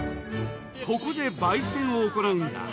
ここで焙煎を行うんだ。